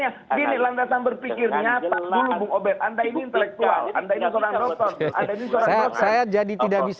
anda ini seorang doktor